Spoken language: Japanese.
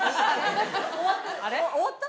終わった？